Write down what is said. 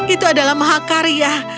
itu adalah mahakarya